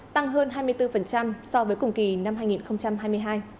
tăng hơn hai mươi bốn so với cùng kỳ năm hai nghìn hai mươi hai